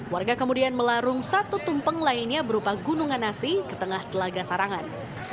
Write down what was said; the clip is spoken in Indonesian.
warga kemudian melarung satu tumpeng lainnya berupa gunungan nasi ke tengah telaga sarangan